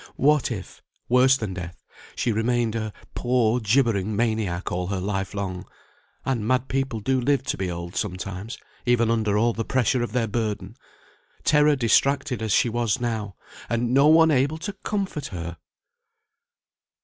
What if (worse than death) she remained a poor gibbering maniac all her life long (and mad people do live to be old sometimes, even under all the pressure of their burden), terror distracted as she was now, and no one able to comfort her!